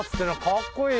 かっこいい。